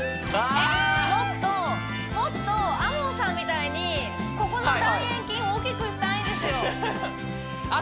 もっともっとＡＭＯＮさんみたいにここの大円筋大きくしたいんですよ